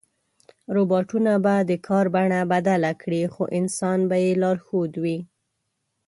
روباټونه به د کار بڼه بدله کړي، خو انسان به یې لارښود وي.